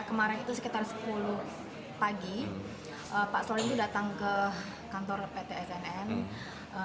kemarin itu sekitar sepuluh pagi pak solihin datang ke kantor pt smp